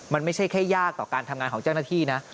มันไม่ใช่แค่ยากต่อการทำงานของเจ้าหน้าที่นะ